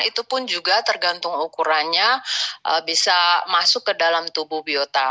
itu pun juga tergantung ukurannya bisa masuk ke dalam tubuh biota